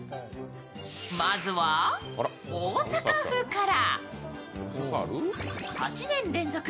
まずは大阪府から。